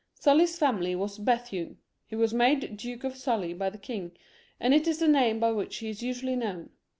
Sully's family name was Bethune ; he was made Duke of Sully by the king, and it is the name by which he is usually known.